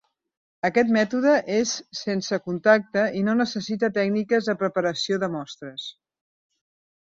Aquest mètode és sense contacte i no necessita tècniques de preparació de mostres.